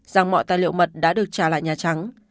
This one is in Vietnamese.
rằng mọi tài liệu mật đã được trả lại nhà trắng